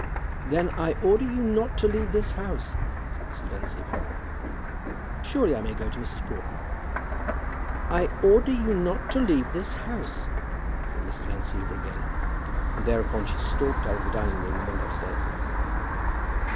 "Then I order you not to leave this house," said Mrs. Van Siever. "Surely I may go to Mrs. Broughton?" "I order you not to leave this house," said Mrs. Van Siever again, and thereupon she stalked out of the dining room and went upstairs.